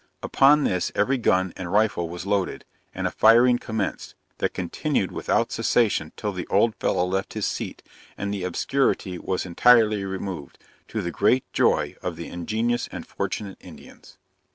Upon this, every gun and rifle was loaded, and a firing commenced, that continued without cessation till the old fellow left his seat, and the obscurity was entirely removed, to the great joy of the ingenious and fortunate Indians.